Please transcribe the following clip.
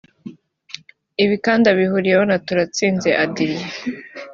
Ibi kandi abihuriyeho na Turatsinze Adiel